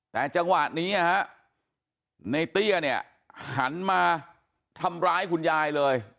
แต่จังหวะนี้ในเตี้ยเนี่ยหันมาทำร้ายคุณยายเลย